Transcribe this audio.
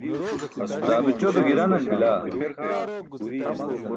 Daa be ćodo giranan bilaa?